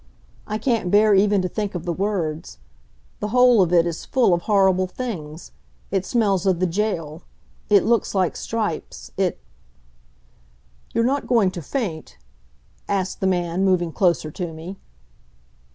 I can't bear even to think of the words. The whole of it is full of horrible things it smells of the jail it looks like stripes it ... "You're not going to faint?" asked the man, moving closer to me.